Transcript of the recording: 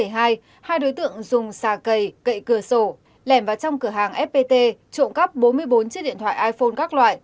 hai đối tượng dùng xà cầy cậy cửa sổ lẻm vào trong cửa hàng fpt trộm cắp bốn mươi bốn chiếc điện thoại iphone các loại